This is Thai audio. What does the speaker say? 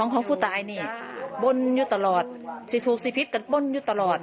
ของผู้ตายนี่บนอยู่ตลอดสิถูกสิพิษก็บ้นอยู่ตลอด